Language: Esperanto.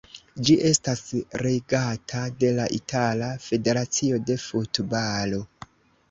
Ĝi estas regata de la Itala Federacio de Futbalo.